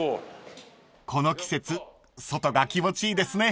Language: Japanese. ［この季節外が気持ちいいですね］